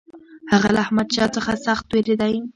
هغه له احمدشاه څخه سخت وېرېدی.